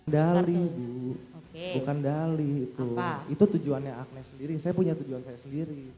dali bu bukan dali itu itu tujuannya agnes sendiri saya punya tujuan saya sendiri